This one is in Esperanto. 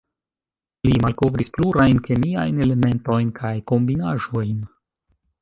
Li malkovris plurajn kemiajn elementojn kaj kombinaĵojn.